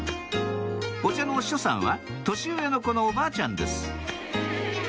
お茶のお師匠さんは年上の子のおばあちゃんです